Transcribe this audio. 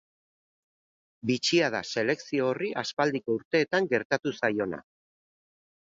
Bitxia da selekzio horri aspaldiko urteetan gertatu zaiona.